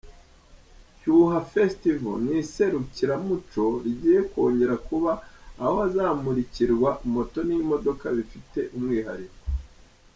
Shyuha Festival, ni iserukiramuco rigiye kongera kuba aho hazamurikirwa moto n’imodoka bifite umwihariko.